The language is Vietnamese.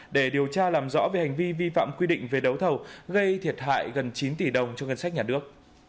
để điều tra làm rõ về hành vi vi phạm quy định về đấu thầu gây thiệt hại gần chín tỷ đồng cho ngân sách nhà nước